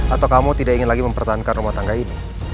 atau kamu tidak ingin lagi mempertahankan rumah tangga ini